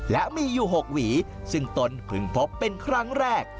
และมีอยู่๖หวีซึ่งตนเพิ่งพบเป็นครั้งแรก